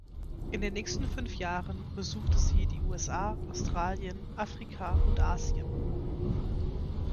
In den nächsten fünf Jahren besuchte sie die USA, Australien, Afrika und Asien.